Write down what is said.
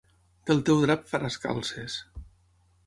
Del teu drap faràs calces.